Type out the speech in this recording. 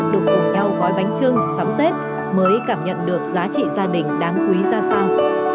được cùng nhau gói bánh trưng sắm tết mới cảm nhận được giá trị gia đình đáng quý ra sao